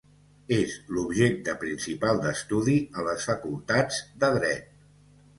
És l'objecte principal d'estudi a les facultats de Dret.